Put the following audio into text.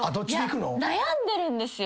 悩んでるんですよ。